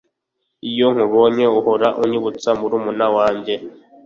Iyo nkubonye uhora unyibutsa murumuna wanjye